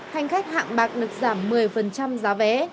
hành khách hạng bạc được giảm một mươi giá vé